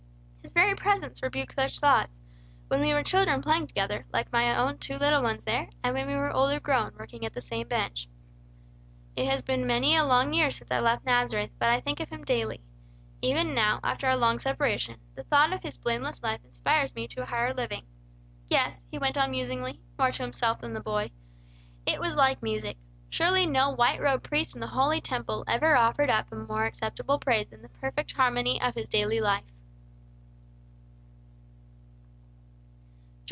His very presence rebuked such thoughts, when we were children playing together, like my own two little ones there, and when we were older grown, working at the same bench. It has been many a long year since I left Nazareth, but I think of him daily. Even now, after our long separation, the thought of his blameless life inspires me to a higher living. Yes," he went on musingly, more to himself than the boy, "it was like music. Surely no white robed priest in the holy temple ever offered up more acceptable praise than the perfect harmony of his daily life."